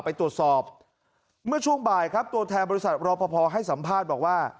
ไปตรวจสอบเมื่อช่วงบ่ายครับตัวแทนบริษัทรอปภให้สัมภาษณ์บอกว่า